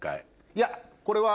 いやこれは。